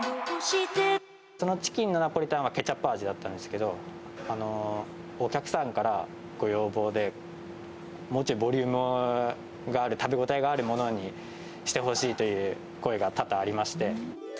そのチキンのナポリタンはケチャップ味だったんですけど、お客さんからご要望で、もうちょいボリュームがある、食べ応えがあるものにしてほしいという声が多々ありまして。